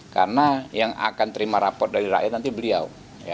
karena yang akan terima rapor dari rakyat nanti beliau